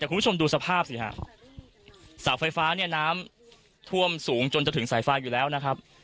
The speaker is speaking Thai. คุณผู้ชมดูสภาพสิฮะเสาไฟฟ้าเนี่ยน้ำท่วมสูงจนจะถึงสายไฟอยู่แล้วนะครับ